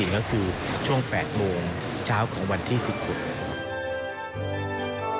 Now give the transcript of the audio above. ก็คือช่วง๘โมงเช้าของวันที่๑๖